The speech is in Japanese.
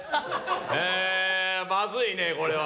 えまずいねこれは」。